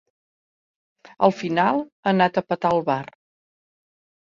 Al final ha anat a petar al bar.